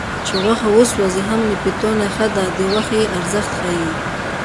چې غوښه وسوځي هم له پیتو نه ښه ده د غوښې ارزښت ښيي